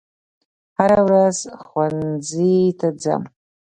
هره ورځ ښوونځي ته ځم